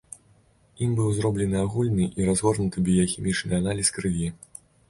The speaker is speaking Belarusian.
Ім быў зроблены агульны і разгорнуты біяхімічны аналіз крыві.